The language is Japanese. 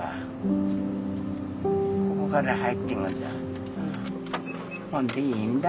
ここから入ってくんだ。